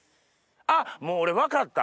あっもう俺分かった！